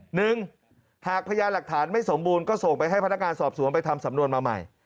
หนึ่งหากพยานหลักฐานไม่สมบูรณ์ก็ส่งไปให้พนักงานสอบสวนไปทำสำนวนมาใหม่